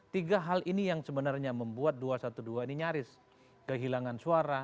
tiga hal ini yang sebenarnya membuat dua ratus dua belas ini nyaris kehilangan suara